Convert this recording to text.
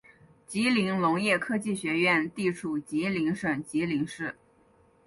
吉林农业科技学院地处吉林省吉林市。